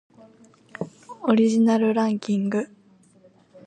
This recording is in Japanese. オリジナルランキング